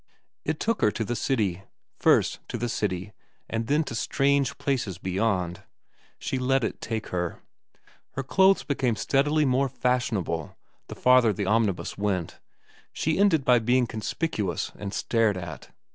It took her to the City ; first to the City, and then to strange places beyond. She let it take her. Her clothes became steadily more fashionable the farther the omnibus went. She ended by being conspicuous and stared at.